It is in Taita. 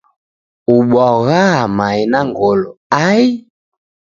Ubwaghaa mae na ngolo, ai!